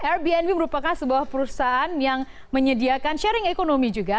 airbnb merupakan sebuah perusahaan yang menyediakan sharing ekonomi juga